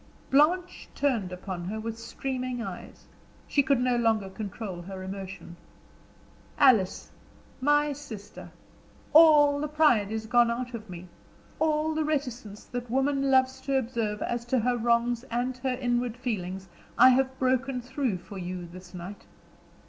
Blanche turned upon her with streaming eyes; she could no longer control her emotion. "Alice, my sister, all the pride is gone out of me; all the reticence that woman loves to observe as to her wrongs and her inward feelings I have broken through for you this night.